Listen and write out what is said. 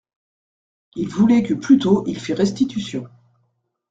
Ils voulaient que plutôt il fit restitution.